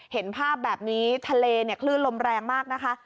เห็นภาพแบบนี้ทะเลเนี่ยคลื่นลมแรงมากนะคะ